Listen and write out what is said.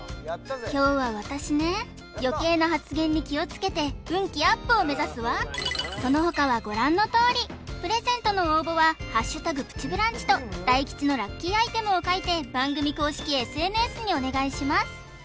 今日は私ね余計な発言に気をつけて運気アップを目指すわその他はご覧のとおりプレゼントの応募は「＃プチブランチ」と大吉のラッキーアイテムを書いて番組公式ＳＮＳにお願いします